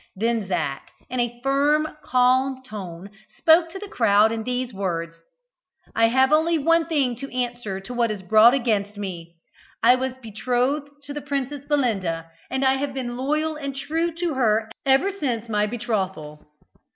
Then Zac, in a firm, calm tone, spoke to the crowd in these words. "I have only one thing to answer to what is brought against me. I was betrothed to the Princess Belinda, and I have been loyal and true to her ever since my betrothal."